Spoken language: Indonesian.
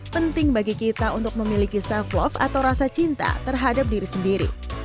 penting bagi kita untuk memiliki self love atau rasa cinta terhadap diri sendiri